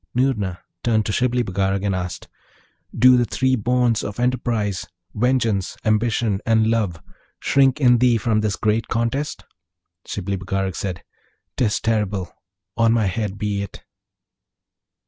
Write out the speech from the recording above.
Noorna turned to Shibli Bagarag and asked, 'Do the three bonds of enterprise vengeance, ambition, and love shrink in thee from this great contest?' Shibli Bagarag said, ''Tis terrible! on my head be it!'